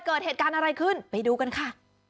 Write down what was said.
เกิดเหตุการณ์อะไรขึ้นไปดูกันค่ะ